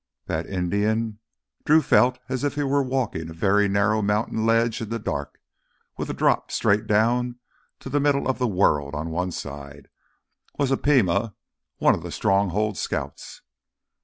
"That Indian"—Drew felt as if he were walking a very narrow mountain ledge in the dark, with a drop straight down to the middle of the world on one side—"was a Pima, one of the Stronghold scouts."